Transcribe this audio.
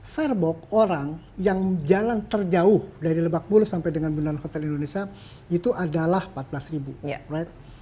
fairbox orang yang jalan terjauh dari lebak bulus sampai dengan bundaran hotel indonesia itu adalah empat belas